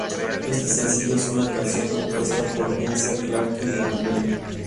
Este sencillo es una canción compuesta por Vince Clarke y Andy Bell.